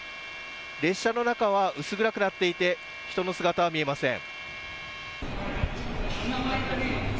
列車の中は薄暗くなっていて人の姿は見えません。